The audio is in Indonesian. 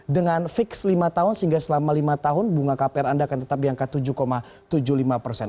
dengan fix lima tahun sehingga selama lima tahun bunga kpr anda akan tetap di angka tujuh tujuh puluh lima persen